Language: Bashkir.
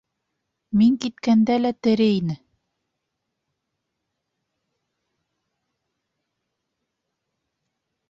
Мин киткәндә лә тере ине.